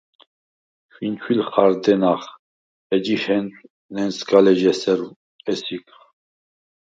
ჩვინჩვილ ხა̈რდენახ, ეჯი ჰენწშვ ნენსგალეჟ’ესეროვ ესიგხ.